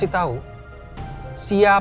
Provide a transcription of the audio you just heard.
twenty kecuali dua puluhan